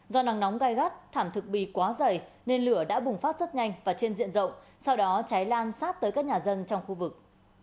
do nắng nóng gai gắt thảm thực bì quá dày nên lửa đã bùng phát rất nhanh và trên diện rộng sau đó cháy lan sát tới các nhà dân trong khu vực